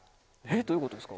どういうことですか？